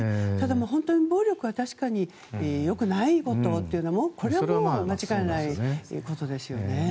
ただ、本当に暴力は確かに良くないことというのもこれはもう間違いないことですけどね。